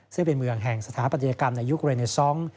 ซึ่งเป็นเมืองแห่งสถาปฏิการในยุคเรนเตอร์ซ่อง